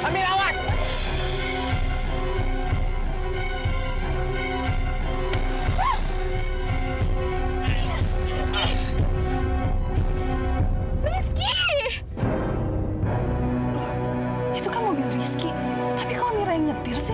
sampai jumpa di video selanjutnya